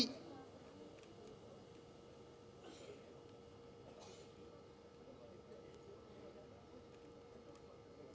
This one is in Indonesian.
dan itu adalah